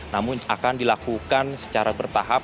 namun akan dilakukan secara bertahap